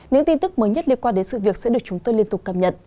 những tin tức mới nhất liên quan đến sự việc sẽ được chúng tôi liên tục cập nhật